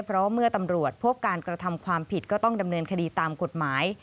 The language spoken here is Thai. เพราะเมื่อตำรวจพบการกระทำความผิดก็ต้องดำเนินคดีตามกฎหมาย